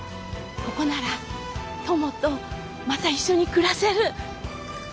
ここならトモとまた一緒に暮らせる。